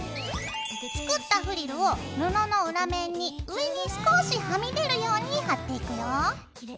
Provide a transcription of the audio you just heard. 作ったフリルを布の裏面に上に少しはみ出るように貼っていくよ。